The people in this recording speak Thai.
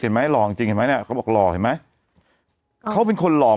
หล่อจริงจริงเห็นไหมเนี่ยเขาบอกหล่อเห็นไหมเขาเป็นคนหล่อ